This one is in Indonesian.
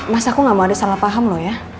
mas aku gak mau ada salah paham loh ya